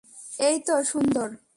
এই তো সুন্দর।